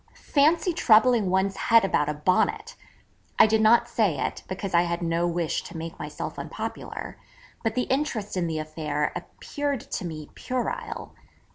Fancy troubling one's head about a Bonnet! I did not say it, because I had no wish to make myself unpopular, but the interest in the affair appeared to me puerile.